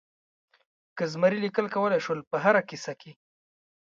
که زمری لیکل کولای شول په هره کیسه کې.